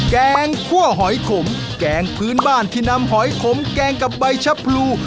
แกงคั่วหอยขมแกงพื้นบ้านที่นำหอยขมแกงกับใบชะพลู